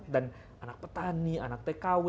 dan anak petani anak tkw